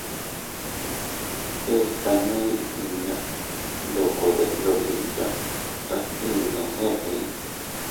Se iytaney inña ndoko detndoyiya adtinos eʼey: